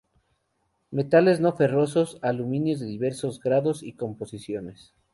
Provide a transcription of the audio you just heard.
Metales no ferrosos: Aluminio de diversos grados y composiciones.